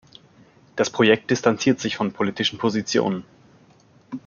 Das Projekt distanziert sich von politischen Positionen.